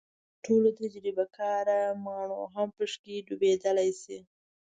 تر ټولو تجربه کاره ماڼو هم پکې ډوبېدلی شي.